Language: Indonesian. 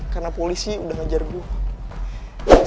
karena polisi udah ngajar gue